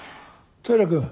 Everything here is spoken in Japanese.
平君。